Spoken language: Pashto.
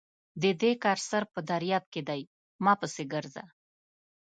د دې کار سر په درياب کې دی؛ مه پسې ګرځه!